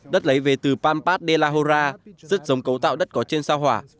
đất lấy về từ pampas de la hora rất giống cấu tạo đất có trên sao hỏa